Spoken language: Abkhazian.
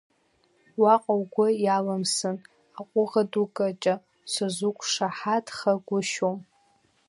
Уаҟа, угәы иалымсын, аҟәыӷа ду Кыҷа сызуқәшаҳаҭхагәышьом.